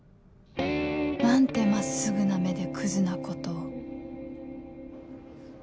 なんて真っすぐな目でクズなことを